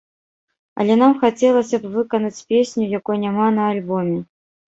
Але нам хацелася б выканаць песню, якой няма на альбоме.